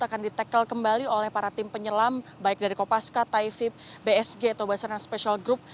akan di tackle kembali oleh para tim penyelam baik dari kopaska taifib bsg atau basarnas special group